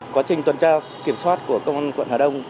quá trình tuần tra kiểm soát của công an quận hà đông